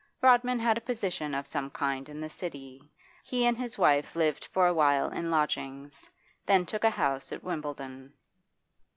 Rodman had a position of some kind in the City; he and his wife lived for a while in lodgings, then took a house at Wimbledon.